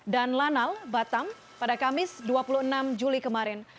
dan lanal batam pada kamis dua puluh enam juli kemarin